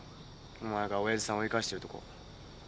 お前が親父さんを追い返してるとこ。